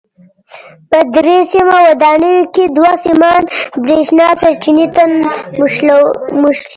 په درې سیمه ودانیو کې دوه سیمان برېښنا سرچینې ته نښلي.